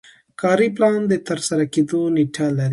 کاري پلان د ترسره کیدو نیټه لري.